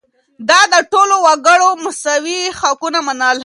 ده د ټولو وګړو مساوي حقونه منل.